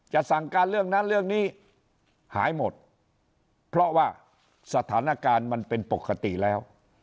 สั่งการเรื่องนั้นเรื่องนี้หายหมดเพราะว่าสถานการณ์มันเป็นปกติแล้ว